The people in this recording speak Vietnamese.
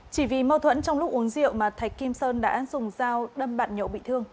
chỉ vì mâu thuẫn trong lúc uống rượu mà thạch kim sơn đã dùng dao đâm bạn nhậu bị thương